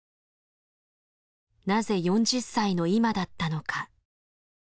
なぜ４０歳の今だったのか。